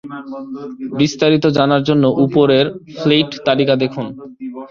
বিস্তারিত জানার জন্য উপরের ফ্লিট তালিকা দেখুন।